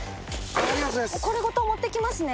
これごと持っていきますね。